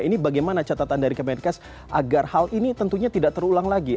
ini bagaimana catatan dari kemenkes agar hal ini tentunya tidak terulang lagi